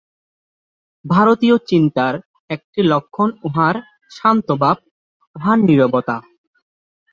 ভারতীয় চিন্তার একটি লক্ষণ উহার শান্তভাব, উহার নীরবতা।